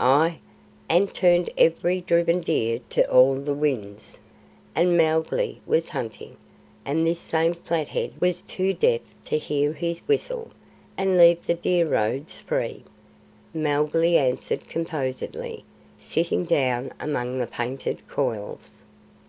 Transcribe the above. "Ay, and turned every driven deer to all the winds, and Mowgli was hunting, and this same Flathead was too deaf to hear his whistle, and leave the deer roads free," Mowgli answered composedly, sitting down among the painted coils.